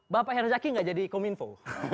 bapak herzaki gak jadi kominfo